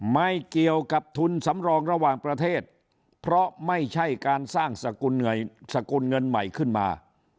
ไม่เกี่ยวกับทุนสำรองระหว่างประเทศเพราะไม่ใช่การสร้างสกุลเงินใหม่ขึ้นมา